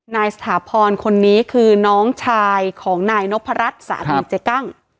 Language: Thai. สถาพรคนนี้คือน้องชายของนายนพรัชสามีเจ๊กั้ง